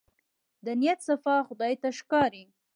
د نيت صفا خدای ته ښکاري.